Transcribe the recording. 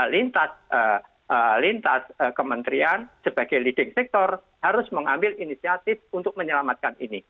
lintas kementerian sebagai leading sector harus mengambil inisiatif untuk menyelamatkan ini